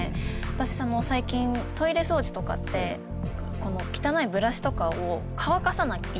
私最近トイレ掃除とかって汚いブラシとかを乾かさないといけないじゃないですか